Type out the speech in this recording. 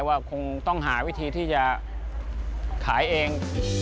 ว่าคงต้องหาวิธีที่จะขายเอง